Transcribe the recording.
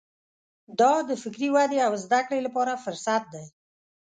دا د فکري ودې او زده کړې لپاره فرصت دی.